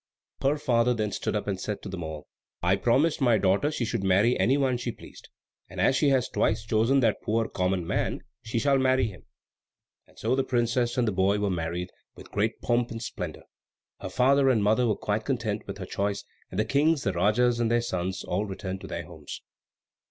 Her father then stood up, and said to them all, "I promised my daughter she should marry any one she pleased, and as she has twice chosen that poor, common man, she shall marry him." And so the princess and the boy were married with great pomp and splendour: her father and mother were quite content with her choice; and the Kings, the Rajas and their sons, all returned to their homes.